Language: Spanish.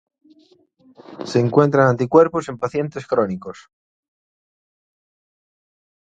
Se encuentran anticuerpos en pacientes crónicos.